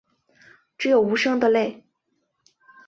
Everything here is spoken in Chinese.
只有无声的泪